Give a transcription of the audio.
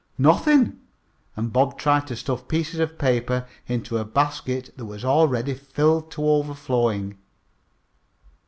"Nothing," and Bob tried to stuff pieces of paper into a basket that was already filled to overflowing.